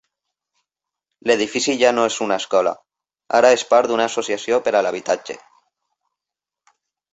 L'edifici ja no és una escola, ara és part d'una associació per a l'habitatge.